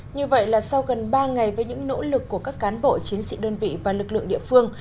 như vậy là sau gần ba ngày với những nỗ lực của các cán bộ chiến sĩ đơn vị và lực lượng địa phương